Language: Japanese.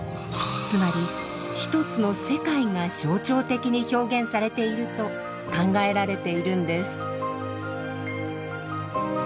つまり一つの世界が象徴的に表現されていると考えられているんです。